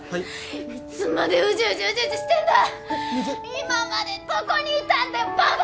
今までどこにいたんだよバカ！